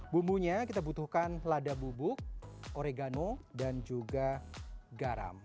bumbunya kita butuhkan lada bubuk oregano dan juga garam